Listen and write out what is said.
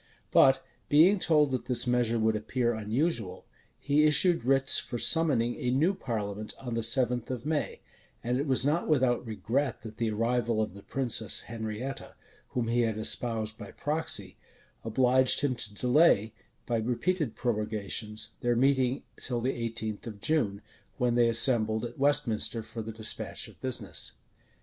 But being told that this measure would appear unusual, he issued writs for summoning a new parliament on the seventh of May; and it was not without regret that the arrival of the princess Henrietta, whom he had espoused by proxy, obliged him to delay, by repeated prorogations, their meeting till the eighteenth of June, when they assembled at Westminster for the despatch of business.